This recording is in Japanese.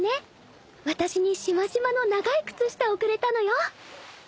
私にしましまの長い靴下をくれたのよ